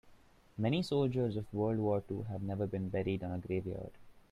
Many soldiers of world war two have never been buried on a grave yard.